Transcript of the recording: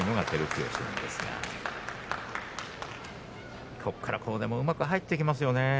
照強、うまく入っていきますよね